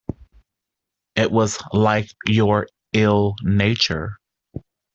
It was like your ill-nature.